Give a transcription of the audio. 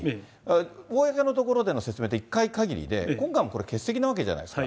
公の所での説明って１回かぎりで今回もこれ、欠席なわけじゃないですか。